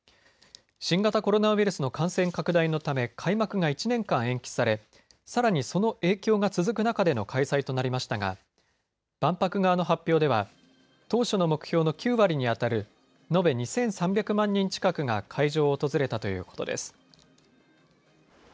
新型コロナウイルスの感染拡大のため開幕が１年間延期されさらにその影響が続く中での開催となりましたが万博側の発表では当初の目標の９割にあたる延べ２３００万人近くが会場を訪れたということです。